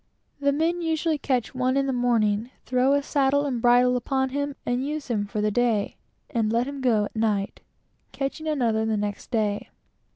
The men usually catch one in the morning, throw a saddle and bridle upon him, and use him for the day, and let him go at night, catching another the next day.